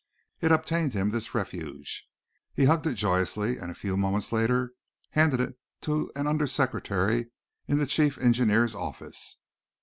It obtained him this refuge. He hugged it joyously, and a few moments later handed it to an under secretary in the Chief Engineer's office.